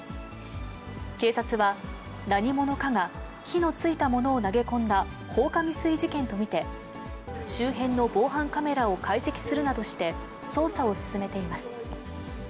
警察は、何者かが火のついたものを投げ込んだ放火未遂事件と見て、周辺の防犯カメラを解析するなどして、捜査を進めています。